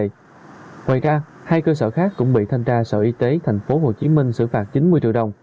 ngoài ra hai cơ sở khác cũng bị thanh tra sở y tế tp hcm xử phạt chín mươi triệu đồng